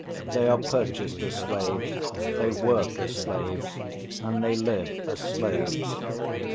They are purchased as slaves, they work as slaves, and they live as slaves.